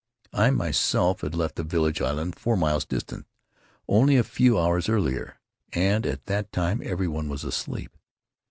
I, myself, had left the village island, four miles distant, only a few hours earlier, and at that time everyone was asleep.